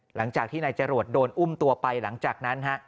หลังจากที่นายจรวดโดนอุ้มตัวไปหลังจากนั้นฮะ